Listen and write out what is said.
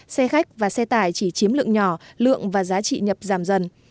xe khách và xe tải chỉ chiếm lượng nhỏ lượng và giá trị nhập giảm dần